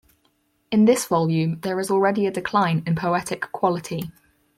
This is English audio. In this volume there is already a decline in poetic quality.